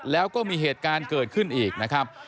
แล้วก็มีเหตุการณ์เกิดขึ้นอีกนะครับ